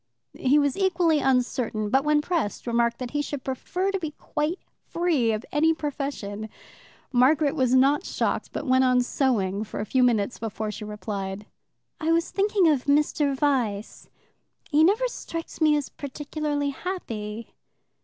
He was equally uncertain, but when pressed remarked that he should prefer to be quite free of any profession. Margaret was not shocked, but went on sewing for a few minutes before she replied: "I was thinking of Mr. Vyse. He never strikes me as particularly happy."